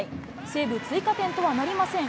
西武、追加点とはなりません。